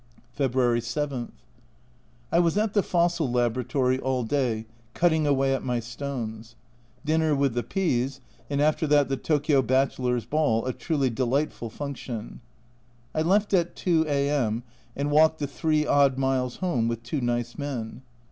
February 7. I was at the fossil laboratory all day, cutting away at my stones. Dinner with the P s, and after that the Tokio Bachelors' Ball a truly delightful function. I left at 2 A.M. and walked the 3 odd miles home with two nice men.